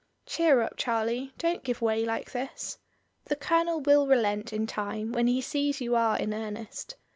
"Cheer up, Charlie, don't give way like this. The Colonel will relent in time when he sees you are in earnest.